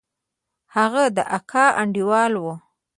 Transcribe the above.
هغه د اکا انډيوال و.